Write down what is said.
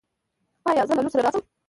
ایا زه له لور سره راشم؟